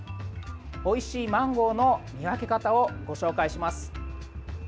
おいしいマンゴーの見分け方をご紹介します。